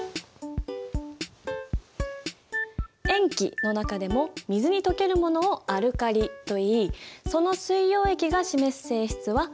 塩基の中でも水に溶けるものをアルカリといいその水溶液が示す性質はアルカリ性ともいう。